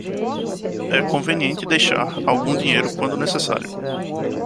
É conveniente deixar algum dinheiro quando necessário.